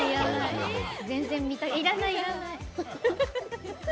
いらない、いらない。